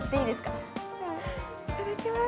いただきます。